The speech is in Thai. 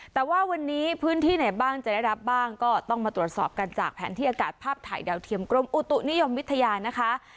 แต่ว่าวันนี้พื้นที่ไหนบ้างจะได้รับบ้างก็ต้องมาตรวจสอบกันจากแผนที่อากาศภาพถ่ายดาวเทียมกรมอุตุนิยมวิทยานะคะ